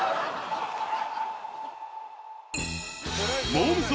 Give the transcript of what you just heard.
モー娘。